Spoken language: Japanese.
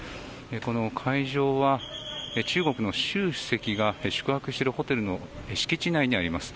この会場は中国の習主席が宿泊しているホテルの敷地内にあります。